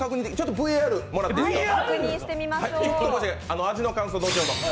ＶＡＲもらっていいですか？